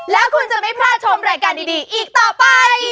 แล้วคุณจะไม่พลาดชมรายการดีอีกต่อไป